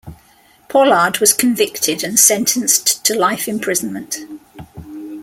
Pollard was convicted and sentenced to life imprisonment.